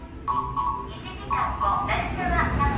１時間後鳴沢さん